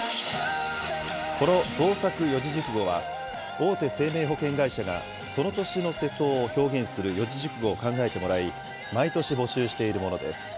この創作四字熟語は、大手生命保険会社が、その年の世相を表現する四字熟語を考えてもらい、毎年募集しているものです。